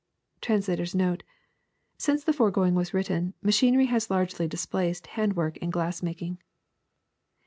'' Translator's Note. — Since the foregoing was written, machinery has largely displaced hand work in glass making.